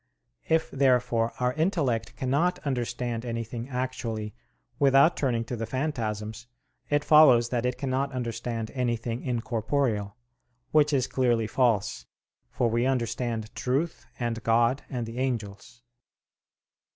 If, therefore, our intellect cannot understand anything actually without turning to the phantasms, it follows that it cannot understand anything incorporeal. Which is clearly false: for we understand truth, and God, and the angels.